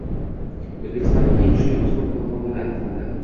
O‘zbekistonning eng kuchli o‘smir polvonlari aniqlandi